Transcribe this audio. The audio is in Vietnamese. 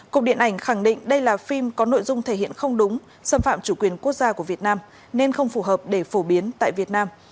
cục điện ảnh khẳng định đây là phim có nội dung thể hiện không đúng xâm phạm chủ quyền quốc gia của việt nam nên không phù hợp để phổ biến tại việt nam